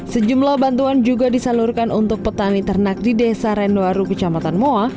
sejumlah bantuan juga disalurkan untuk petani ternak di desa renwaru kecamatan moa